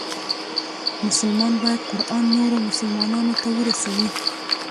مسلمان باید قرآن نورو مسلمانانو ته ورسوي.